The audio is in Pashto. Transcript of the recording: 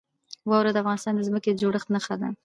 واوره د افغانستان د ځمکې د جوړښت نښه ده.